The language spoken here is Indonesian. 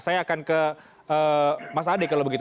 saya akan ke mas ade kalau begitu